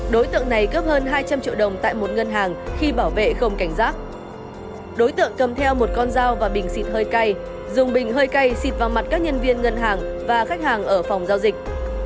đối tượng cầm theo một con dao và bình xịt hơi cay dùng bình hơi cay xịt vào mặt các nhân viên ngân hàng và khách hàng ở phòng giao dịch